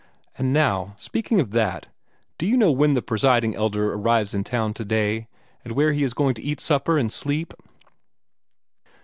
And now, speaking of that, do you know when the Presiding Elder arrives in town today, and where he is going to eat supper and sleep?"